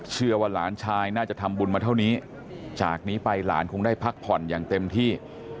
เชื่อว่าหลานชายน่าจะทำบุญมาเท่านี้จากนี้ไปหลานคงได้พักผ่อนอย่างเต็มที่